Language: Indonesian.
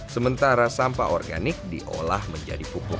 sementara sampah organik diolah menjadi pupuk